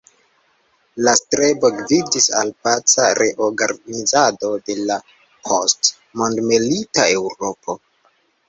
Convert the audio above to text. La strebo gvidis al paca reorganizado de la post-mondmilita Eŭropo.